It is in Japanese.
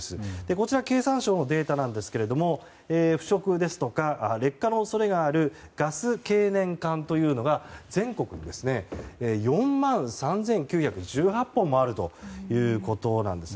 こちら経産省のデータですが腐食ですとか劣化の恐れがあるガス経年管というのが全国に４万３９１８本もあるということです。